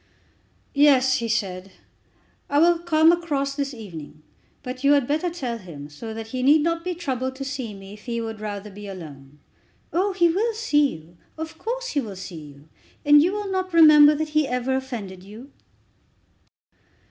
"Yes," he said, "I will come across this evening. But you had better tell him, so that he need not be troubled to see me if he would rather be alone." "Oh, he will see you. Of course he will see you. And you will not remember that he ever offended you?"